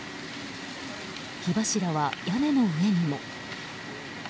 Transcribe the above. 火柱は屋根の上にも。